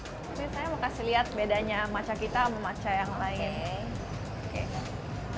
saya mau kasih lihat bedanya matcha kita sama matcha yang lain